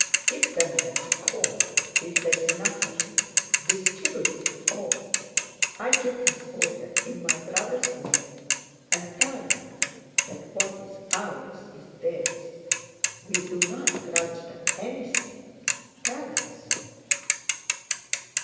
"Give them that corn if there is enough of it. Distribute it all. I give this order in my brother's name; and tell them that what is ours is theirs. We do not grudge them anything. Tell them so."